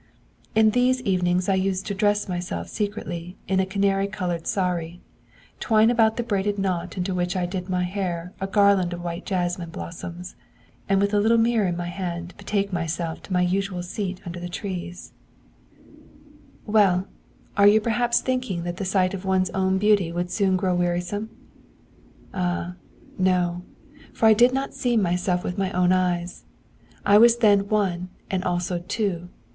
'In these evenings I used to dress myself secretly in a canary coloured sari; twine about the braided knot into which I did my hair a garland of white jasmine blossoms; and with a little mirror in my hand betake myself to my usual seat under the trees. See note on p. 38. 'Well! Are you perhaps thinking that the sight of one's own beauty would soon grow wearisome? Ah no! for I did not see myself with my own eyes. I was then one and also two.